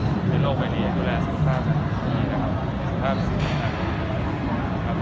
ทุกคนในโลกไปนี้ดูแลเศรษฐภาพได้ดีแล้วครับ